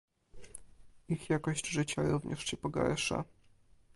Ich jakość życia również się pogarsza